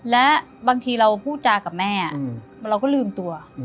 และบางทีเราพูดจากับแม่เราก็ลืมตัว